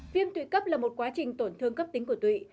viêm tụy cấp là một quá trình tổn thương cấp tính của tụy